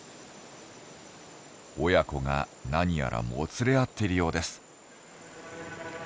親子が何やらもつれ合っているようです。